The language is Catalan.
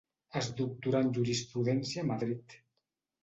Es doctorà en jurisprudència a Madrid.